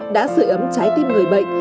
đã sử ấm trái tim người bệnh